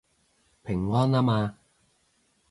平安吖嘛